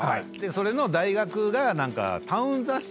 それの大学が何か。